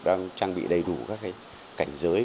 đang trang bị đầy đủ các cái cảnh giới